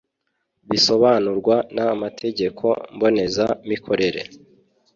bisobanurwa n amategeko mboneza mikorere